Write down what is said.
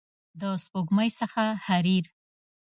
د سپوږمۍ څخه حریر